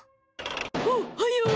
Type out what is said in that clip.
おっはよ！